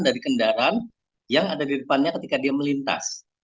jadi kendaraan yang ada di depannya ketika dia melintas